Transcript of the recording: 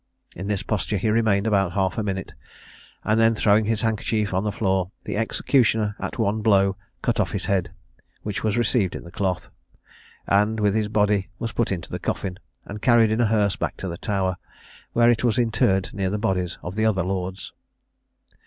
In this posture he remained about half a minute, and then, throwing his handkerchief on the floor, the executioner at one blow cut off his head, which was received in the cloth, and, with his body, was put into the coffin, and carried in a hearse back to the Tower, where it was interred near the bodies of the other lords.